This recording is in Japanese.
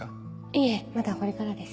いえまだこれからです。